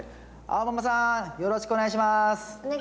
あおママさんよろしくお願いします！